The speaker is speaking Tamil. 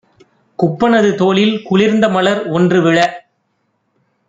குப்பனது தோளில் குளிர்ந்தமலர் ஒன்றுவிழ